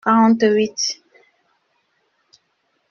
Quarante-huit.